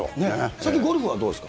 最近、ゴルフはどうですか。